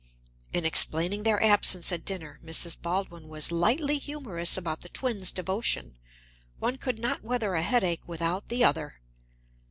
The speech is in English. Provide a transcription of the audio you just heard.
In explaining their absence at dinner, Mrs. Baldwin was lightly humorous about the twins' devotion: one could not weather a headache without the other.